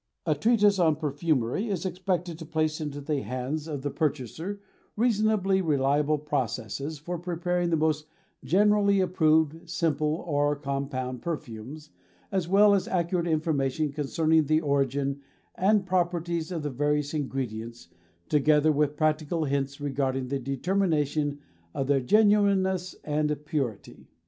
A treatise on perfumery is expected to place into the hands of the purchaser reasonably reliable processes for preparing the most generally approved simple or compound perfumes, as well as accurate information concerning the origin and properties of the various ingredients, together with practical hints regarding the determination of their genuineness and purity.